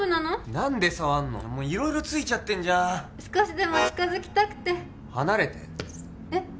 何で触んの色々ついちゃってんじゃん少しでも近づきたくて離れてえッ？